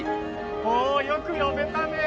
およく呼べたね。